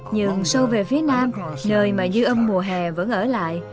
nhưng sâu về phía nam nơi mà dư âm mùa hè vẫn ở lại